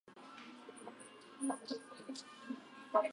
挑み続けるために、人は学ぶ。